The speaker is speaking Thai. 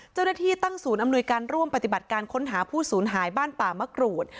เจ้าหน้าที่ตั้งศูนย์อำนวยการร่วมปฏิบัติการค้นหาผู้สูญหายบ้านป่ามะกรูด